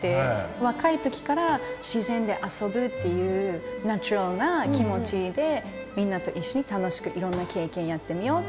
若い時から自然で遊ぶっていうナチュラルな気持ちでみんなと一緒に楽しくいろんな経験やってみようって。